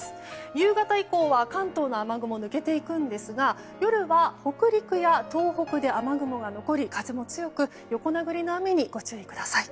夕方以降は関東の雨雲は抜けていくんですが夜は北陸や東北で雨雲が残り風も強く、横殴りの雨にご注意ください。